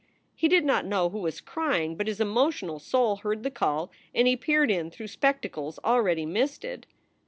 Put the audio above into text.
He did not know who was crying, but his emotional soul heard the call and he peered in through spectacles already misted.